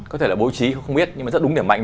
có thể là bố trí không biết nhưng mà rất đúng điểm mạnh